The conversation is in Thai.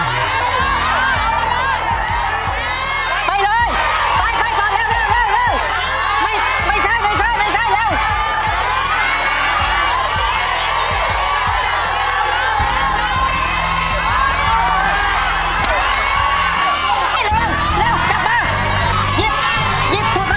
ไปเลยไปไปต่อเร็วเร็วเร็วไม่ใช่ไม่ใช่ไม่ใช่